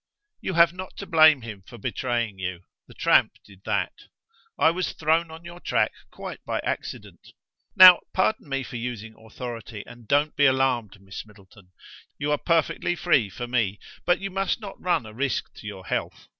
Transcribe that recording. "You have not to blame him for betraying you. The tramp did that. I was thrown on your track quite by accident. Now pardon me for using authority, and don't be alarmed, Miss Middleton; you are perfectly free for me; but you must not run a risk to your health.